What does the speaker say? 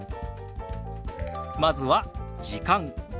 まずは「時間」。